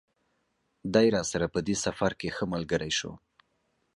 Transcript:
دی راسره په دې سفر کې ښه ملګری شوی.